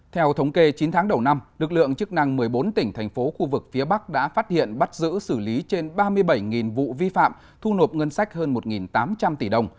theo thống kê chín tháng đầu năm lực lượng chức năng một mươi bốn tỉnh thành phố khu vực phía bắc đã phát hiện bắt giữ xử lý trên ba mươi bảy vụ vi phạm thu nộp ngân sách hơn một tám trăm linh tỷ đồng